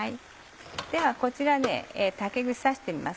ではこちら竹串刺してみます